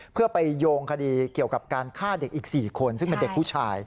เพื่อไปโยงคดีเกี่ยวกับการฆ่าเด็กอีก๔คนซึ่งเป็นเด็กผู้ชาย